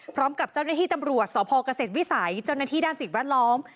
พร้อมกับเจ้าหน้าที่ตำรวจสพเกษตรวิสัยเจ้าหน้าที่ด้านสิ่งแวดล้อม